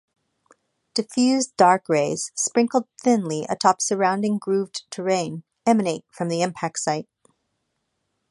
Diffuse dark rays, sprinkled thinly atop surrounding grooved terrain, emanate from the impact site.